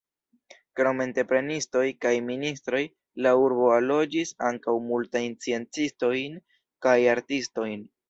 Krom entreprenistoj kaj ministoj la urbo allogis ankaŭ multajn sciencistojn kaj artistojn.